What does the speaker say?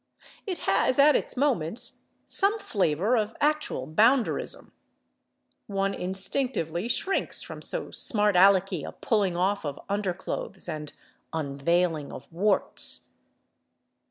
It has, at its moments, some flavor of actual bounderism: one instinctively shrinks from so smart alecky a pulling off of underclothes and unveiling of warts.